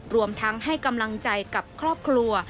รวมทั้งให้กำลังใจกับครอบครัว